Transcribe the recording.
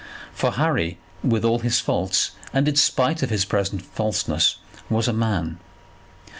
For Harry, with all his faults, and in spite of his present falseness, was a man.